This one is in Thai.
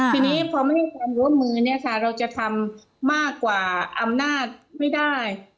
ทีนี้พอไม่ให้ความร่วมมือเนี่ยค่ะเราจะทำมากกว่าอำนาจไม่ได้